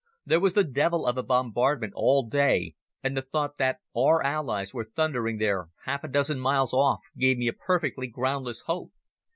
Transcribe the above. There was the devil of a bombardment all day, and the thought that our Allies were thundering there half a dozen miles off gave me a perfectly groundless hope.